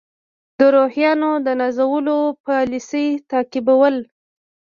د روحانیونو د نازولو پالیسي تعقیبول.